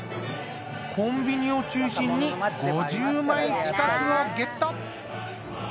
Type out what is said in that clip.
コンビニを中心に５０枚近くをゲット。